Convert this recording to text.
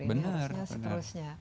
ini harusnya seterusnya